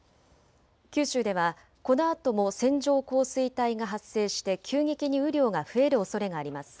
九州ではこのあとも線状降水帯が発生して急激に雨量が増えるおそれがあります。